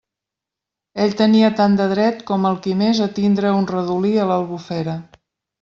Ell tenia tant de dret com el qui més a tindre un redolí a l'Albufera.